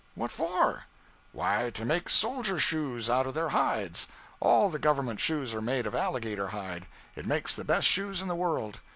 'What for?' 'Why, to make soldier shoes out of their hides. All the Government shoes are made of alligator hide. It makes the best shoes in the world.